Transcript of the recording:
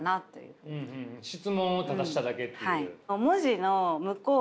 質問をただしただけっていう。